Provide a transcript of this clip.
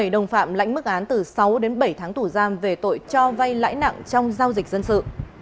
bảy đồng phạm lãnh mức án từ sáu đến bảy tháng tù giam về tội cho vay lãi nặng trong giao dịch dân sự